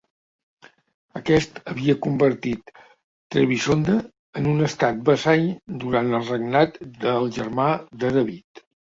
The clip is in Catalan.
Aquest havia convertit Trebisonda en un estat vassall durant el regnat del germà de David.